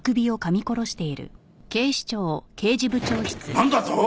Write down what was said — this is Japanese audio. なんだと！？